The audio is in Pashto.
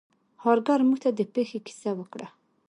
هارکر موږ ته د پیښې کیسه وکړه.